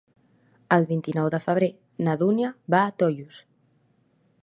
El vint-i-nou de febrer na Dúnia va a Tollos.